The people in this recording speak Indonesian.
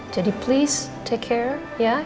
jadi please take care ya